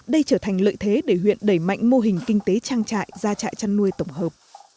đây trở thành lợi thế để huyện đẩy mạnh mô hình kinh tế trang trại gia trại chăn nuôi tổng hợp